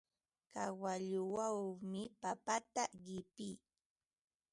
Kawalluchawmi papata qipii.